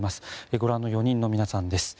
ご覧の４人の皆さんです。